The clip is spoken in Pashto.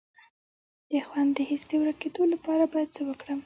د خوند د حس د ورکیدو لپاره باید څه وکړم؟